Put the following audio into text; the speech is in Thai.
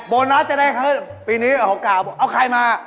โบนัสจะได้เค้าปีนี้เอาโอกาสเอาใครมา